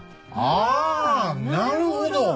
あなるほど！